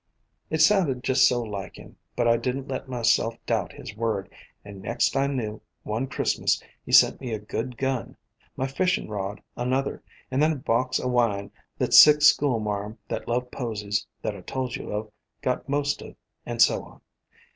It sounded just so like him, but I did n't let myself doubt his word, and next I knew, 262 A COMPOSITE FAMILY one Christmas he sent me a good gun, my fish ing rod another, and then a box o' wine — that sick school marm that loved posies that I told you of got most of it — and so on.